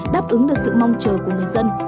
đáp ứng được sự mong chờ của người dân